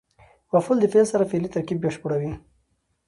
مفعول د فعل سره فعلي ترکیب بشپړوي.